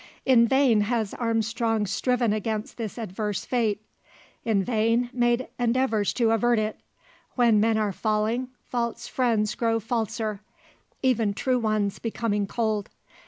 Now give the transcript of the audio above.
In vain has Armstrong striven against this adverse fate; in vain made endeavours to avert it. When men are falling, false friends grow falser; even true ones becoming cold.